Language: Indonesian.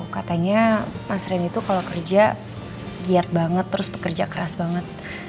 katanya mas reni tuh kalau kerja giat banget terus pekerja keras banget